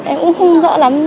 em cũng không rõ lắm